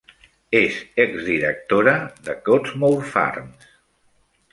És exdirectora de Cottesmore Farms.